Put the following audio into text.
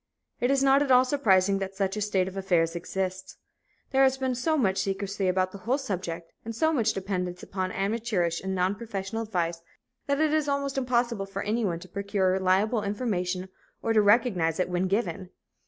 It is not at all surprising that such a state of affairs exists. There has been so much secrecy about the whole subject and so much dependence upon amateurish and nonprofessional advice that it is almost impossible for anyone to procure reliable information or to recognize it when given.